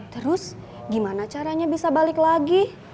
terus gimana caranya bisa balik lagi